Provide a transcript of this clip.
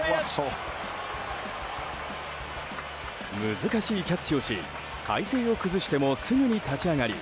難しいキャッチをし体勢を崩してもすぐに立ち上がり